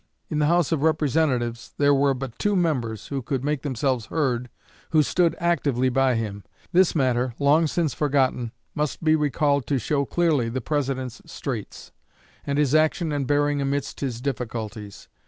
In the House of Representatives there were but two members who could make themselves heard, who stood actively by him. This matter, long since forgotten, must be recalled to show clearly the President's straits, and his action and bearing amidst his difficulties.